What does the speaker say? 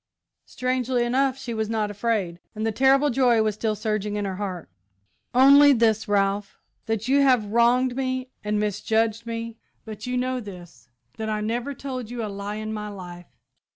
Strangely enough, she was not afraid, and the terrible joy was still surging in her heart. "Only this, Ralph that you have wronged me and misjudged me; but you know this that I never told you a lie in my life.